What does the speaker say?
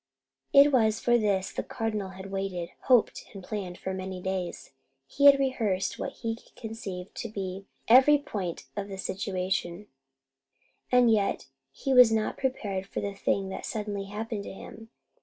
It was for this the Cardinal had waited, hoped, and planned for many days. He had rehearsed what he conceived to be every point of the situation, and yet he was not prepared for the thing that suddenly happened to him.